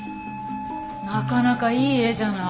なかなかいい絵じゃない。